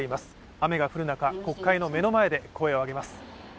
雨が降る中、国会の目の前で声を上げます。